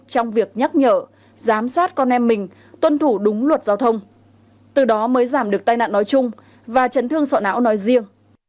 trong việc nhắc nhở giám sát con em mình tuân thủ đúng luật giao thông từ đó mới giảm được tai nạn nói chung và chấn thương sọ não nói riêng